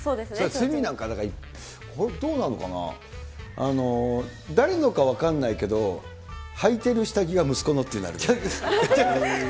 罪なんか、どうなのかな、誰のか分かんないけど、はいてる下着が息子のってある。